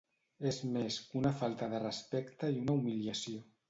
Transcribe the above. És més que una falta de respecte i una humiliació.